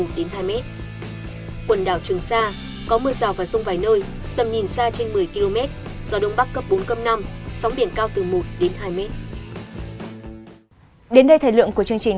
quần đảo trường sa có mưa vài nơi tầm nhìn xa trên một mươi km gió đông bắc cấp bốn cấp năm sóng biển cao từ một hai m